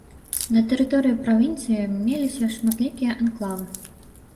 На тэрыторыі правінцыі меліся шматлікія анклавы.